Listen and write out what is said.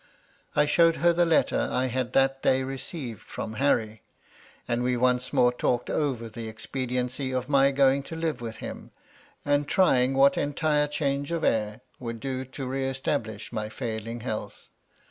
I showed her the letter I had that day received from Harry; and we once 330 MY LADY LUDLOW. more talked over the expediency of my going to live \vith him, and trying what entire change of air would do to re establish my failing health.